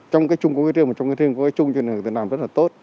trong cái chung có cái riêng trong cái riêng có cái chung thì làm rất là tốt